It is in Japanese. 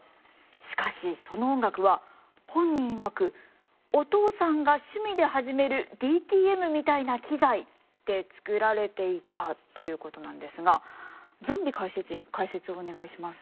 しかしその音楽は本人いわくお父さんが趣味で始めるＤＴＭみたいな機材で作られていたということなんですがゾンビかいせついん解説をお願いします。